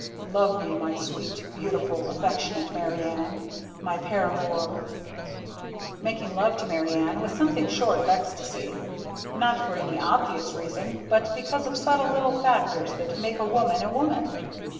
"Love me my sweet, beautiful, affectionate Mary Ann. My paramour." Making love to Mary Ann was something short of ecstasy. Not for any obvious reason, but because of subtle little factors that make a woman a woman.